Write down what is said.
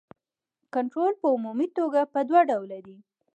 کنټرول په عمومي توګه په دوه ډوله دی.